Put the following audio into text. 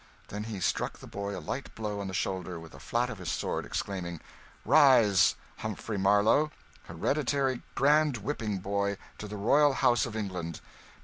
Then he struck the boy a light blow on the shoulder with the flat of his sword, exclaiming, "Rise, Humphrey Marlow, Hereditary Grand Whipping Boy to the Royal House of England!